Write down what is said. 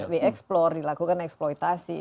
di eksplor dilakukan eksploitasi